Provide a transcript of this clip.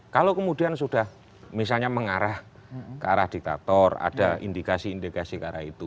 kalau kemudian sudah misalnya mengarah ke arah diktator ada indikasi indikasi ke arah itu